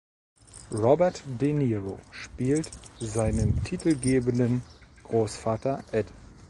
Robert De Niro spielt seinen titelgebenden Großvater Ed.